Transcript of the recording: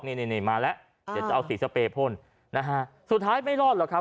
นี่นี่มาแล้วเดี๋ยวจะเอาสีสเปรยพ่นนะฮะสุดท้ายไม่รอดหรอกครับ